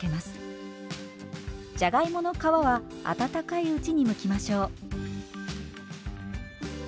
じゃがいもの皮は温かいうちにむきましょう。